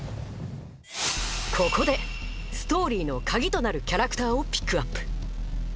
ここでストーリーの鍵となるキャラクターをピックアップ！